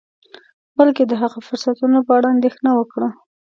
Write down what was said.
بلکې د هغه فرصتونو په اړه اندیښنه وکړه